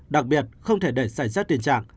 đặc biệt không thể để xảy ra tình trạng